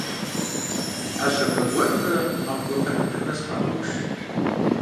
Ӏэ щабэ гуэрымрэ макъ гуапэ дыдэмрэ сыкъагъэуш.